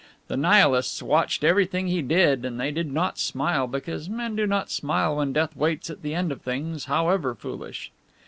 The Nihilists watched everything he did and they did not smile, because men do not smile when death waits at the end of things, however foolish.